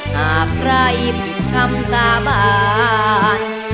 หากใครหยิบคำสาบาน